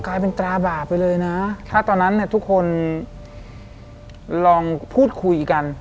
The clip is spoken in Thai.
กลายเป็นตราบาปไปเลยนะถ้าตอนนั้นเนี่ยทุกคนลองพูดคุยกัน